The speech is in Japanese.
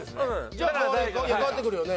じゃあ変わってくるよね？